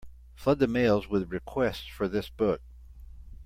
Flood the mails with requests for this book.